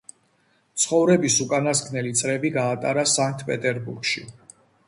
ცხოვრების უკანასკნელი წლები გაატარა სანქტ-პეტერბურგში.